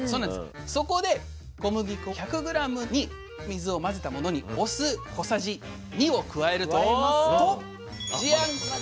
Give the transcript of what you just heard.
そこで小麦粉１００ｇに水を混ぜたものにお酢小さじ２を加えるとジャン！